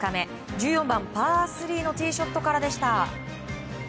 １４番、パー３のティーショットからでした。